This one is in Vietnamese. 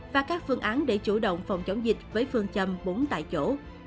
và các phương án để chủ động phòng chống dịch với phương châm bốn tại chỗ